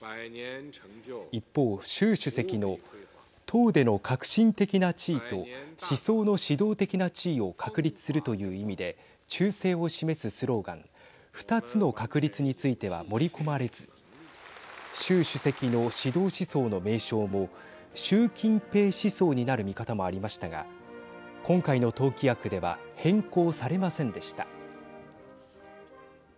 一方、習主席の党での核心的な地位と思想の指導的な地位を確立するという意味で忠誠を示すスローガン２つの確立については盛り込まれず習主席の指導思想の名称も習近平思想になる見方もありましたが今回の党規約では変更されませんでした。